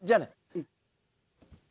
うん。